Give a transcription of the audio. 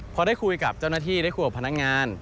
พอได้คุยกับเจ้าหน้าที่ได้คุยกับพนักงาน